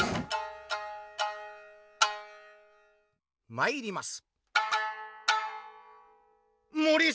まいります。